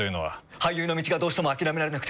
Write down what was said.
俳優の道がどうしても諦められなくて。